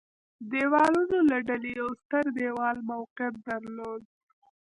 دېوالونو له ډلې یو ستر دېوال موقعیت درلود.